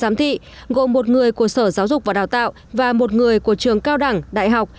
hai giám thị gồm một người của sở giáo dục và đào tạo và một người của trường cao đẳng đại học